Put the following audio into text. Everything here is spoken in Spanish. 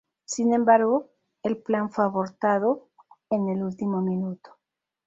Sin embargo, el plan fue abortado en el último minuto.